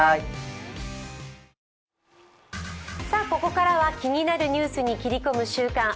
ここからは気になるニュースに切り込む「週刊！